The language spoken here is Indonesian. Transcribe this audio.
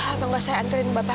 atau enggak saya anterin bapak